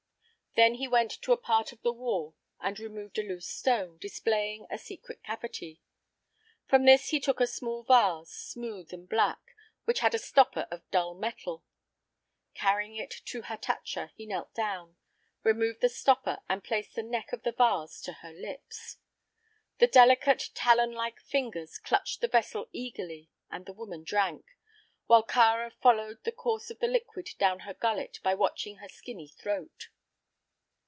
Then he went to a part of the wall and removed a loose stone, displaying a secret cavity. From this he took a small vase, smooth and black, which had a stopper of dull metal. Carrying it to Hatatcha, he knelt down, removed the stopper and placed the neck of the vase to her lips. The delicate, talon like fingers clutched the vessel eagerly and the woman drank, while Kāra followed the course of the liquid down her gullet by watching her skinny throat.